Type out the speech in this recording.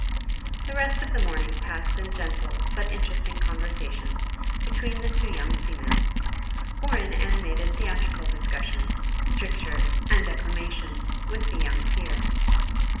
The rest of the morning passed in gentle, but interesting conversation, between the two young females; or in animated theatrical discussions, strictures, and declamation, with the young peer.